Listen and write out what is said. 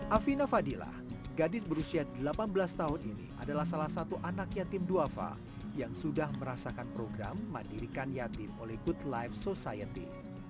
afina fadilah gadis berusia delapan belas tahun ini adalah salah satu anak yatim duafa yang sudah merasakan program mandirikan yatim oleh good life society